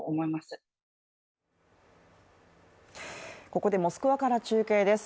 ここでモスクワから中継です。